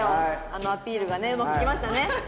あのアピールがねうまくいきましたね。